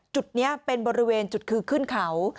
จุดนี้เป็นบริเวณจุดคือขึ้นเขา